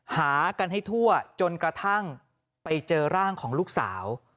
หากันให้ทั่วจนกระทั่งไปเจอร่างของลูกสาว